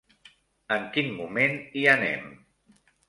En quin moment hi anem?